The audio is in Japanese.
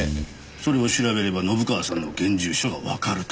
それを調べれば信川さんの現住所がわかると。